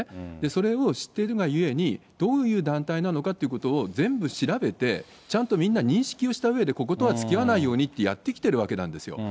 それを知っているがゆえに、どういう団体なのかということを全部調べて、ちゃんとみんな認識をしたうえで、こことはつきあわないようにってやってきてるわけなんですよ。